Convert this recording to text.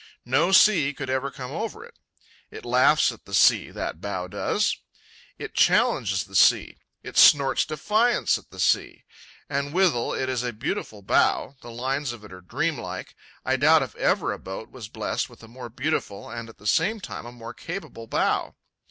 No sea could ever come over it. It laughs at the sea, that bow does; it challenges the sea; it snorts defiance at the sea. And withal it is a beautiful bow; the lines of it are dreamlike; I doubt if ever a boat was blessed with a more beautiful and at the same time a more capable bow.